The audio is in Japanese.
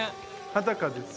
裸です